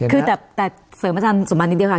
คือแต่เสริมอาจารย์สุมันนิดเดียวค่ะ